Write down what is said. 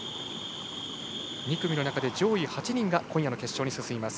２組の中で上位８人が今夜の決勝に進みます。